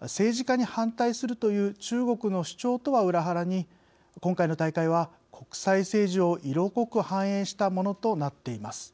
政治化に反対するという中国の主張とは裏腹に今回の大会は、国際政治を色濃く反映したものとなっています。